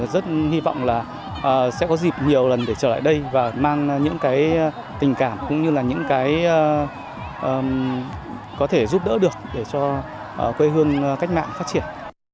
rất hy vọng là sẽ có dịp nhiều lần để trở lại đây và mang những cái tình cảm cũng như là những cái có thể giúp đỡ được để cho quê hương cách mạng phát triển